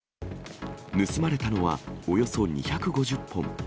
盗まれたのはおよそ２５０本。